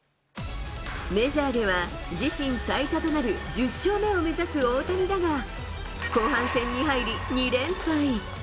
メジャーでは、自身最多となる１０勝目を目指す大谷だが、後半戦に入り２連敗。